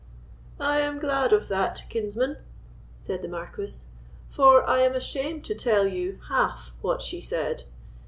"I am glad of that, kinsman," said the Marquis, "for I am ashamed to tell you half what she said.